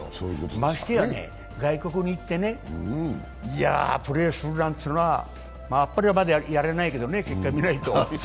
ましてや外国に行ってプレーするなんていうのは、あっぱれはまだやれないけどね、結果、見ないと。